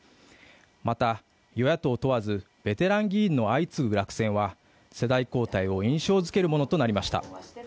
また、与野党問わずベテラン議員の相次ぐ落選は世代交代を印象づけるものとなりました。